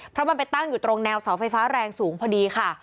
เพราะมันไปตั้งอยู่ตรงแนวเสาไฟฟ้าแรงสูงพอดีค่ะ